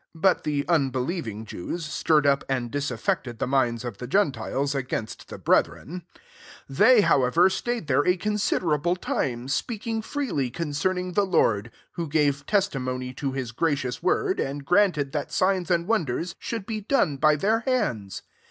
2 (But the unbelieving Jews stirred up and disaffected the minds of {tie gentiles against the breth rcln.) 3 They i)owever, staid there a considerable time, speak ing freely concerning the Lord, who gave testimony to his gra cious word, and granted that signs and wonders should be done by their hands.